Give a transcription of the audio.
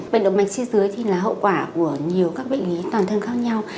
bệnh động mạch chi dưới là hậu quả của nhiều bệnh lý toàn thân khác nhau